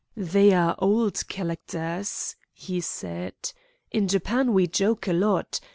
"They are old chalacters," he said. "In Japan we joke a lot.